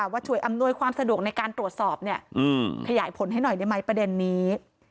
ว่าช่วยอำนวยความสะดวกในการตรวจสอบเนี่ยขยายผลให้หน่อยได้ไหมประเด็นนี้